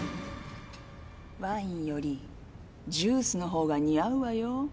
ワインよりジュースのほうが似合うわよ